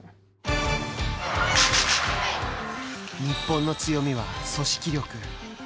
日本の強みは、組織力。